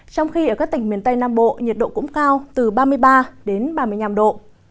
trong khi ở các tỉnh miền tây nam bộ nhiệt độ cũng cao từ ba mươi ba đến ba mươi năm độ